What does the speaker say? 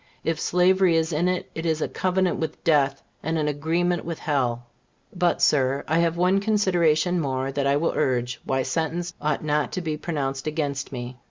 If slavery is in it, it is "a covenant with death, and an agreement with hell." But, Sir, I have one consideration more that I will urge why sentence ought not to be pronounced against me.